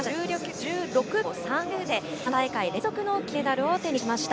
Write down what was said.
１６秒３９で３大会連続の金メダルを手にしました。